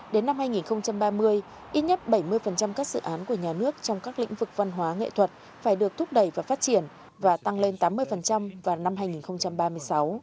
đến năm hai nghìn ba mươi ít nhất bảy mươi các dự án của nhà nước trong các lĩnh vực văn hóa nghệ thuật phải được thúc đẩy và phát triển và tăng lên tám mươi vào năm hai nghìn ba mươi sáu